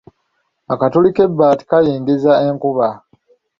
Akatuli k’ebbaati kayingiza enkuba.